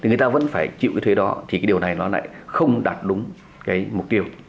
người ta vẫn phải chịu cái thuế đó thì cái điều này nó lại không đạt đúng cái mục tiêu